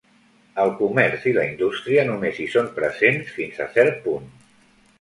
El comerç i la indústria només hi són presents fins a cert punt.